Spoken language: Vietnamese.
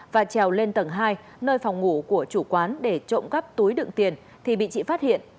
và trèo lên tầng hai nơi phòng ngủ của chủ quán để trộm cắp túi đựng tiền thì bị chị phát hiện